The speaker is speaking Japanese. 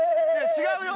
違うよ。